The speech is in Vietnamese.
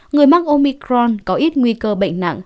người mắc omicron có ít nguy cơ bệnh nặng